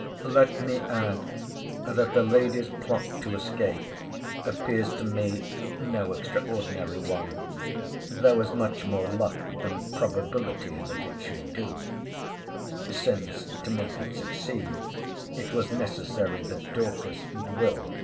Let me add, that the lady's plot to escape appears to me no extraordinary one. There was much more luck than probability that it should do: since, to make it succeed, it was necessary that Dorcas and Will.